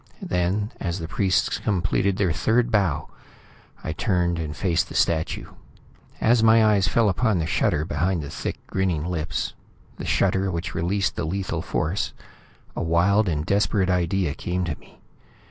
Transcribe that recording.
Then, as the priests completed their third bow, I turned and faced the statue. As my eyes fell upon the shutter behind the thick, grinning lips, the shutter which released the lethal force, a wild and desperate idea came to me.